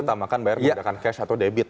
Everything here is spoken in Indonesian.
maksudnya makan bayar menggunakan cash atau debit